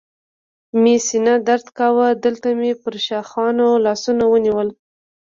مې سینه درد کاوه، دلته مې پر ښاخونو لاسونه ونیول.